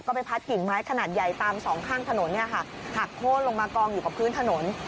ไปพัดกิ่งไม้ขนาดใหญ่ตามสองข้างถนนเนี่ยค่ะหักโค้นลงมากองอยู่กับพื้นถนน